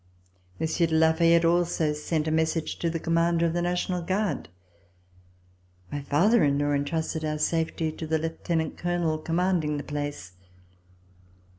Monsieur de La Fayette also sent a message to the commander of the National Guard. My father in law entrusted our safety to the Lieu tenant Colonel commanding the place.